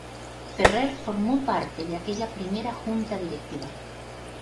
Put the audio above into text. Ferrer formó parte de aquella primera Junta Directiva.